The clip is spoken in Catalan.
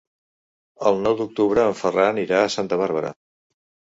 El nou d'octubre en Ferran irà a Santa Bàrbara.